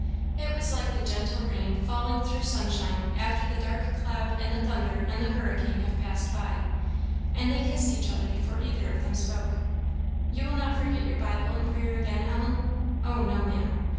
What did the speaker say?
It was like the gentle rain falling through sunshine, after the dark cloud and the thunder and the hurricane have passed by. And they kissed each other before either of them spoke. "You will not forget your Bible and prayer again, Ellen?" "Oh, no, Maam."